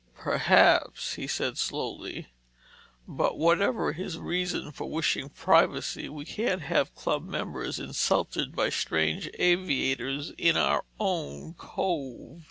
"Perhaps," he said slowly. "But whatever his reason for wishing privacy, we can't have club members insulted by strange aviators in our own cove.